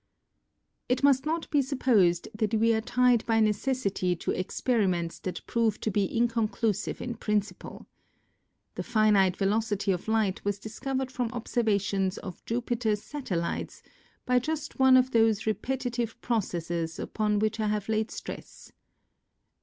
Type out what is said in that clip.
It must not be supposed that we are tied by necessity to experiments that prove to be inconclusive in principle. The finite velocity of light was discovered from observa tions of Jupiter's Satellites, by just one of those repetitive processes upon which I have laid stress.